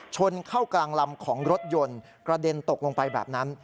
ชนเข้ากลางลำของรถยนต์กระเด็นตกลงไปแบบนั้น